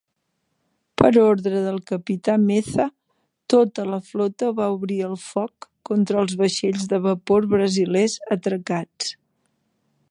Per ordre del capità Meza, tota la flota va obrir el foc contra els vaixells de vapor brasilers atracats.